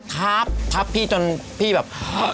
ทับทับพี่จนพี่แบบ